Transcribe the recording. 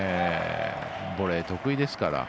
ボレー得意ですから。